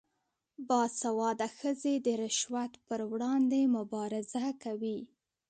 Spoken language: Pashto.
باسواده ښځې د رشوت پر وړاندې مبارزه کوي.